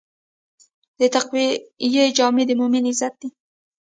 د تقوی جامه د مؤمن عزت دی.